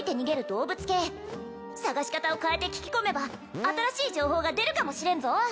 動物系捜し方を変えて聞き込めば新しい情報が出るかもしれんぞ